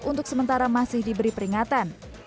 untuk sementara masih diberi peringatan